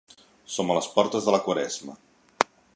Som a les portes de la Quaresma.